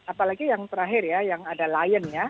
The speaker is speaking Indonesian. apalagi yang terakhir ya yang ada lion ya